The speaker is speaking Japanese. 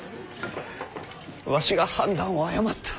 わしが判断を誤った。